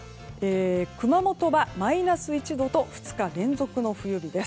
熊本はマイナス１度と２日連続の冬日です。